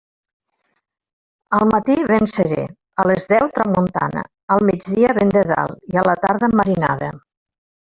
Al matí, vent serè; a les deu, tramuntana; al migdia, vent de dalt; i a la tarda, marinada.